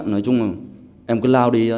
nói chung là em cứ lao đi